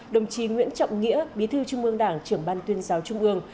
đồng chí nguyễn trọng nghĩa bí thư trung ương đảng trưởng ban tuyên giáo trung ương